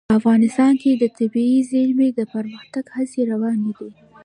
افغانستان کې د طبیعي زیرمې د پرمختګ هڅې روانې دي.